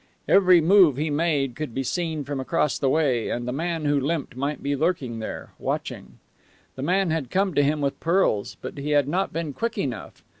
Every move he made could be seen from across the way, and the man who limped might be lurking there, watching. The man had come to him with pearls, but he had not been quick enough.